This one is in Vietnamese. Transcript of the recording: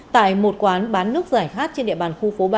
tại một quán bán nước giải khát trên địa bàn khu phố ba